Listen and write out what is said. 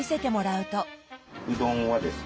うどんはですね